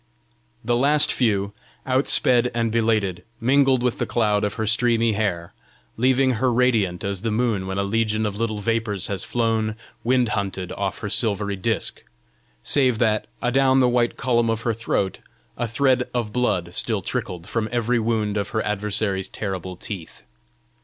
The last few, outsped and belated, mingled with the cloud of her streamy hair, leaving her radiant as the moon when a legion of little vapours has flown, wind hunted, off her silvery disc save that, adown the white column of her throat, a thread of blood still trickled from every wound of her adversary's terrible teeth.